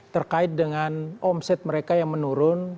terkait dengan omset mereka yang menurun